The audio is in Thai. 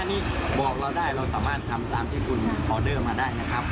อันนี้บอกเราได้เราสามารถทำตามที่คุณออเดอร์มาได้นะครับ